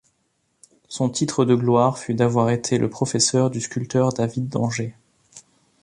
Son titre de gloire fut d'avoir été le professeur du sculpteur David d'Angers.